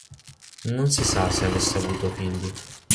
Non si sa se avesse avuto figli.